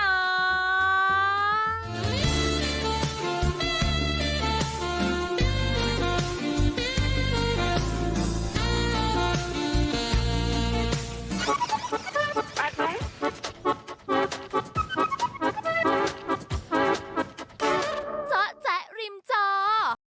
โอ้โหแคมปิ้งหลอกหยอกกันหน้าบ้านบรรยากาศดีแบบเนี้ยเชียวให้มีเบบีอีกสักคนนะพี่น้อง